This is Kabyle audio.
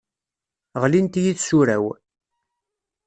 Ɣlint-iyi tsura-w.